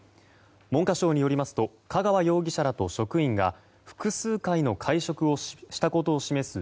文科省によりますと香川容疑者らと職員が複数回の会食をしたことを示す